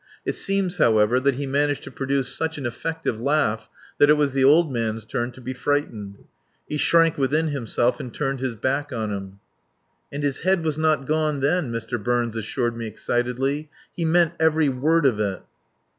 It seems, however, that he managed to produce such an effective laugh that it was the old man's turn to be frightened. He shrank within himself and turned his back on him. "And his head was not gone then," Mr. Burns assured me excitedly. "He meant every word of it."